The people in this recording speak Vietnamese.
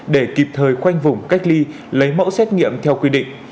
để kịp thời khoanh vùng cách ly lấy mẫu xét nghiệm theo quy định